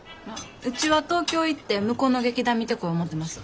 ウチは東京行って向こうの劇団見てこよう思うてます。